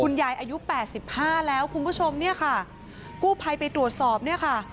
ยายอายุแปดสิบห้าแล้วคุณผู้ชมเนี่ยค่ะกู้ภัยไปตรวจสอบเนี่ยค่ะ